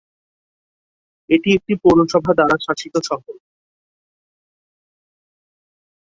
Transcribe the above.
এটি একটি পৌরসভা দ্বারা শাসিত শহর।